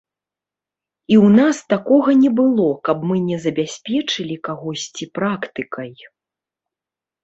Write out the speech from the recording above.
І ў нас такога не было, каб мы не забяспечылі кагосьці практыкай.